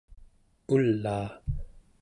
ulaa